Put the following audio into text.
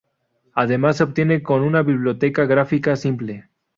Además, se obtiene con una biblioteca gráfica simple.